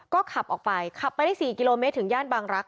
ก็ขับไปใน๔กิโลเมตรถึงบางรัก